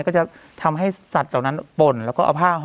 ก็จะทำให้สัตว์เหล่านั้นป่นแล้วก็เอาผ้าห่อ